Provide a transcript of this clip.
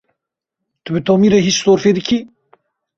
Tu bi Tomî re hîç sorfê dikî?